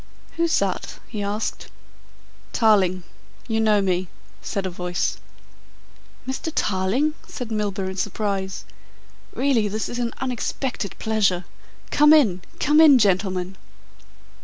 "Who's that?" he asked. "Tarling. You know me," said a voice. "Mr. Tarling?" said Milburgh in surprise. "Really this is an unexpected pleasure. Come in, come in, gentlemen."